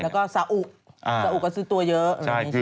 แล้วก็สาอุกก็ซื้อตัวเยอะอะไรแบบนี้ใช่ไหม